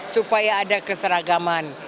supaya ada keseragaman